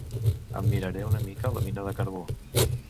Em miraré una mica la mina de carbó.